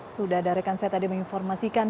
sudah ada rekan saya tadi menginformasikan